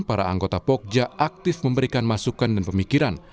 para anggota pogja aktif memberikan masukan dan pemikiran